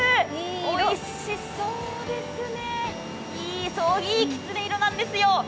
おいしそうですね、いいきつね色なんですよ。